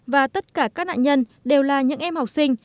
và tất cả các nạn nhân đều là những em học sinh